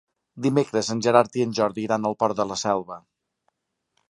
Dimecres en Gerard i en Jordi iran al Port de la Selva.